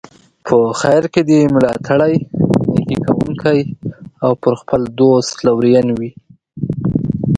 په خیر کې دي ملاتړی، نیکي کوونکی او پر خپل دوست لورین وي.